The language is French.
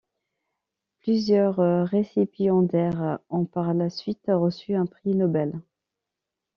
Plusieurs récipiendaires ont par la suite reçu un prix Nobel.